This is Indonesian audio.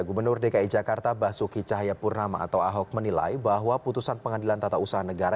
gubernur dki jakarta basuki cahayapurnama atau ahok menilai bahwa putusan pengadilan tata usaha negara